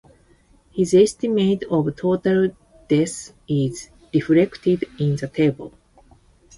His estimate of total deaths is reflected in the table.